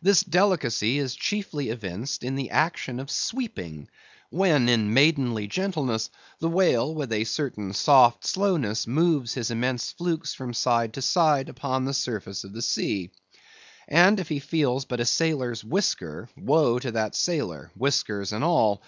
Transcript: This delicacy is chiefly evinced in the action of sweeping, when in maidenly gentleness the whale with a certain soft slowness moves his immense flukes from side to side upon the surface of the sea; and if he feel but a sailor's whisker, woe to that sailor, whiskers and all.